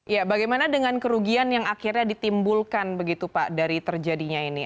ya bagaimana dengan kerugian yang akhirnya ditimbulkan begitu pak dari terjadinya ini